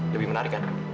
lebih menarik kan